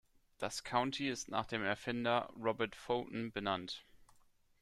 Das County ist nach dem Erfinder Robert Fulton benannt.